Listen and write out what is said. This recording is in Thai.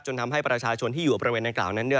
ทำให้ประชาชนที่อยู่บริเวณดังกล่าวนั้น